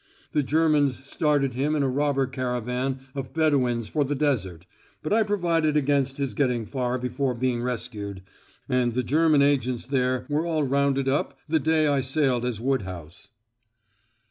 The Germans started him in a robber caravan of Bedouins for the desert, but I provided against his getting far before being rescued, and the German agents there were all rounded up the day I sailed as Woodhouse."